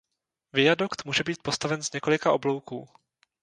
Viadukt může být postaven z několika oblouků.